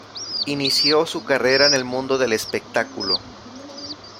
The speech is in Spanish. Inició su carrera en el mundo del espectáculo.